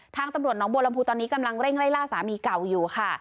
ตำรวจน้องบัวลำพูตอนนี้กำลังเร่งไล่ล่าสามีเก่าอยู่ค่ะ